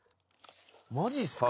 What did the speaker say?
マジっすか？